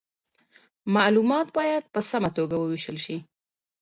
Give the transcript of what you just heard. معلومات باید په سمه توګه وویشل سي.